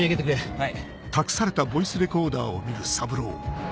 はい。